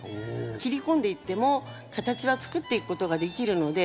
切り込んでいっても形はつくっていくことができるので。